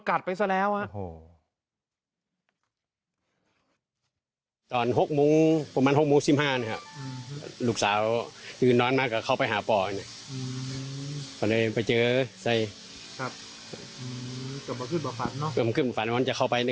เข้าไปหาป่อไปแล้วไปเจอใส่เข้ามาขึ้นปลาฝาต